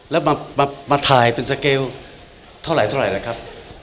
แล้วมาถ่ายเป็นสเกลเท่าไหร่ล่ะครับ